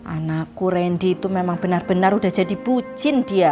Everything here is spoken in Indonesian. anakku randy itu memang benar benar udah jadi bucin dia